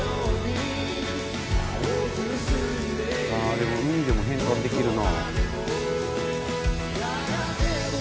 「でも海でも変換できるな」